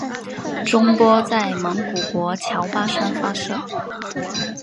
中波在蒙古国乔巴山发射。